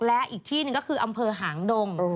และอีกที่หนึ่งก็คืออำเภอหางดง